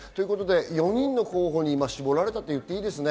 ４人の候補に今、絞られたと言っていいですね。